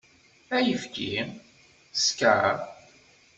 Ayefki? Sskeṛ?